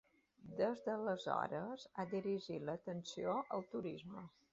Des d'aleshores ha dirigit l'atenció al turisme.